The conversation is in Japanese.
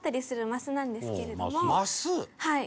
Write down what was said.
はい。